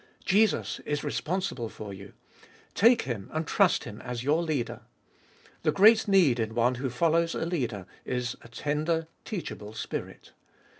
Jesus is responsible for you. Take Him and trust Him as your Leader. The great need in one who follows a leader is a tender, teachable spirit.